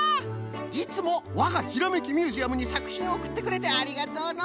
いつもわが「ひらめきミュージアム」にさくひんをおくってくれてありがとうの！